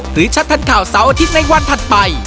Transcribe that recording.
ชัดทันข่าวเสาร์อาทิตย์ในวันถัดไป